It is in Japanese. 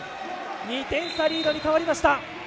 ２点差リードに変わりました。